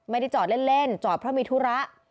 ไม่ได้จอดเล่นจอดเพราะมีธุระ